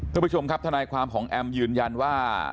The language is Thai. คุณผู้ชมครับทนายความของแอมยืนยันว่า